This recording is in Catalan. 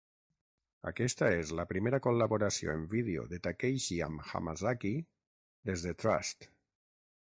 Aquesta és la primera col·laboració en vídeo de Takeishi amb Hamasaki des de "Trust".